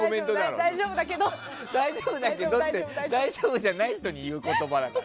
大丈夫だけどって大丈夫じゃない人に言う言葉だから。